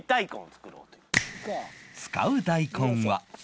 使う大根は